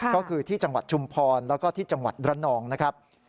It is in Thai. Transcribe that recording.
ก็คือที่จังหวัดชุมพรแล้วก็ที่จังหวัดระนองนะครับ